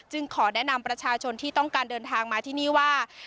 ขอแนะนำประชาชนที่ต้องการเดินทางมาที่นี่ว่า